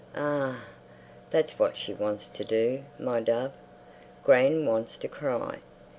Ah, that's what she wants to do, my dove. Gran wants to cry.